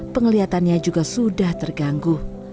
pengeliatannya juga sudah terganggu